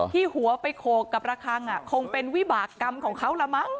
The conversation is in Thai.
ที่หัวไปโขกกับระคังคงเป็นวิบากรรมของเขาละมั้ง